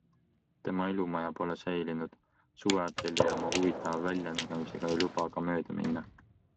Tema elumaja pole säilinud, suveateljee oma huvitava väljanägemisega ei luba aga mööda minna.